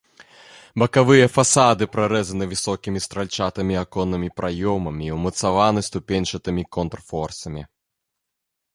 Бакавыя фасады прарэзаны высокімі стральчатымі аконнымі праёмамі і ўмацаваны ступеньчатымі контрфорсамі.